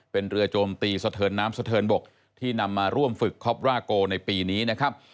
เป็นเรือโจมตีสะเทินน้ำสะเทินบกที่นำมาร่วมฝึกคอปราโกในปีนี้นะครับ